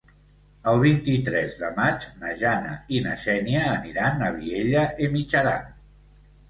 El vint-i-tres de maig na Jana i na Xènia aniran a Vielha e Mijaran.